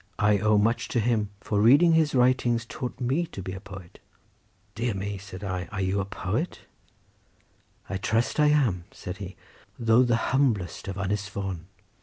I owe much to him, for reading his writings taught me to be a poet!" "Dear me!" said I, "are you a poet?" "I trust I am," said he; "though the humblest of Ynys Fon."